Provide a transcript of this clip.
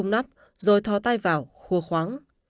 cùng nắp rồi thó tay vào khua khoáng